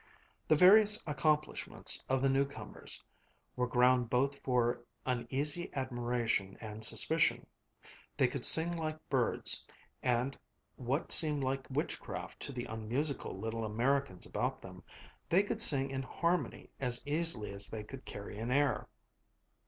The various accomplishments of the new comers were ground both for uneasy admiration and suspicion. They could sing like birds, and, what seemed like witchcraft to the unmusical little Americans about them, they could sing in harmony as easily as they could carry an air.